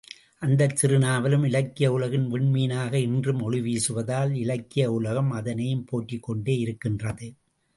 அந்தச் சிறு நாவலும் இலக்கிய உலகின் விண்மீனாக இன்றும் ஒளிவீசுவதால், இலக்கிய உலகம் அதனையும் போற்றிக் கொண்டே இருக்கின்றது.